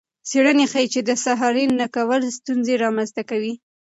څیړنې ښيي چې د سهارنۍ نه کول ستونزې رامنځته کوي.